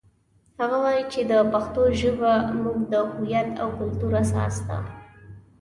هغه وایي چې د پښتو ژبه زموږ د هویت او کلتور اساس ده